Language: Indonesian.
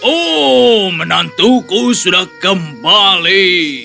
oh menantuku sudah kembali